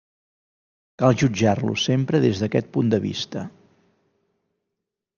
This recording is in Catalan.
Cal jutjar-lo sempre des d'aquest punt de vista.